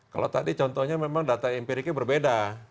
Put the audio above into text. kalau tadi contohnya memang data empiriknya berbeda